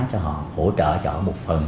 cho họ hỗ trợ cho họ một phần